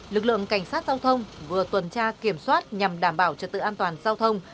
lực lượng cảnh sát giao thông vừa tuần tra kiểm soát nhằm đảm bảo trật tự an toàn giao thông